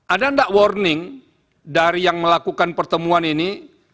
ada nggak warning dari yang melakukan pertemuan ini